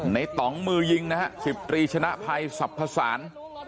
ในตองมือยิงนะฮะสิบตรีชนะภัยสับผสาน